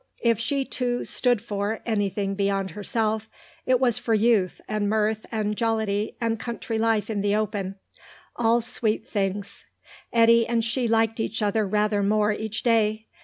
If she too "stood for" anything beyond herself, it was for youth and mirth and jollity and country life in the open; all sweet things. Eddy and she liked each other rather more each day.